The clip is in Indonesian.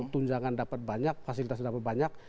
tunjangan dapat banyak fasilitas dapat banyak